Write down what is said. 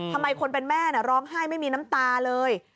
ทำไมคนเป็นแม่ร้องไห้ไม่มีน้ำตาเลย